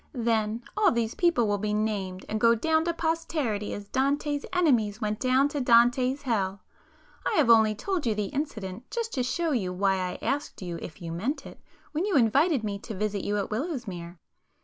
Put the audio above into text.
Then all these people will be named, and go down to posterity as Dante's enemies went down to Dante's hell! I have only told you the incident just to show you why I asked you if you meant it, when you invited me to visit you at Willowsmere.